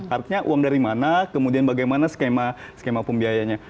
artinya uang dari mana kemudian bagaimana skema pembiayanya